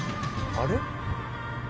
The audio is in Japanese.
あれ？